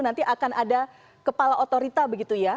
nanti akan ada kepala otorita begitu ya